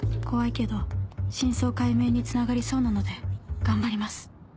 怖いけど真相解明につながりそうなので頑張ります」。